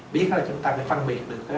biết là chúng ta phải phân biệt được